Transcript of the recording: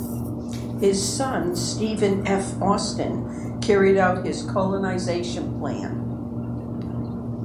His son Stephen F. Austin carried out his colonization plan.